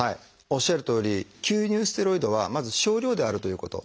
おっしゃるとおり吸入ステロイドはまず少量であるということ。